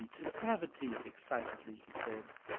'Tis gravity!" excitedly he said.